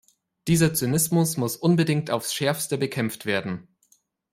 Dieser Zynismus muss unbedingt aufs Schärfste bekämpft werden.